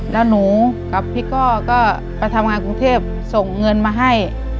แล้วหนูกับพี่ก้อก็ไปทำงานกรุงเทพส่งเงินมาให้